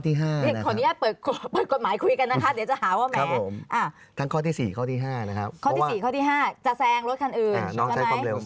ใช่ครับคุณเข้าข้ออะไรบ้างคุณเจมส์